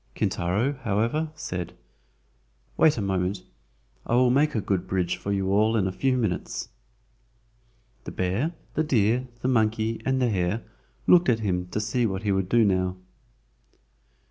Kintaro, however, said: "Wait a moment. I will make a good bridge for you all in a few minutes." The bear, the deer, the monkey and the hare looked at him to see what he would do now.